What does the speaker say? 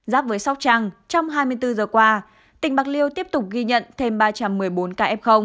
giáp với sóc trăng trong hai mươi bốn giờ qua tỉnh bạc liêu tiếp tục ghi nhận thêm ba trăm một mươi bốn ca f